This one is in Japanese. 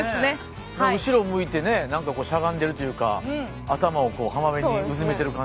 後ろ向いてねえなんかこうしゃがんでるというか頭をこう浜辺にうずめてる感じが。